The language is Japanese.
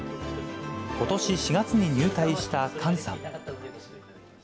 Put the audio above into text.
ことし４月に入隊した菅さん。